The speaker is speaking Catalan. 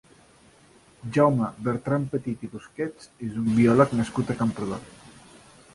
Jaume Bertranpetit i Busquets és un biòleg nascut a Camprodon.